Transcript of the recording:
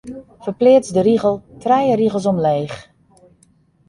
Ferpleats de rigel trije rigels omleech.